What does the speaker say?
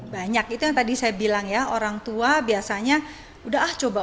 banyak itu yang tadi saya bilang ya orang tua biasanya udah ah coba